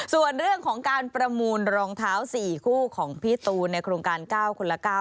ส่วนเรื่องของการประมูลรองเท้า๔คู่ของพี่ตูนในโครงการ๙คนละ๙